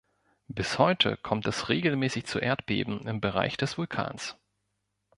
Bis heute kommt es regelmäßig zu Erdbeben im Bereich des Vulkans.